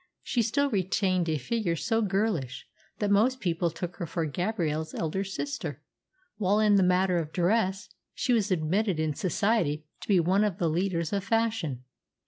She still retained a figure so girlish that most people took her for Gabrielle's elder sister, while in the matter of dress she was admitted in society to be one of the leaders of fashion.